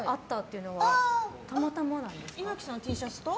岩城さんのＴシャツと？